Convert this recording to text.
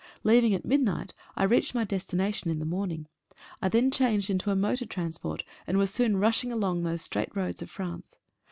Leaving at midnight I reached my des tination in the morning. I then changed into a motor transport, and was soon rushing along those straight roads of France.